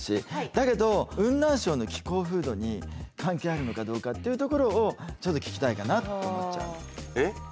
だけど雲南省の気候風土に関係あるのかどうかっていうところをちょっと聞きたいかなと思っちゃう。